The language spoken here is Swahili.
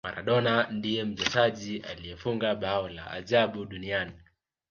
maradona ndiye mchezaji aliyefunga bao la ajabu duniani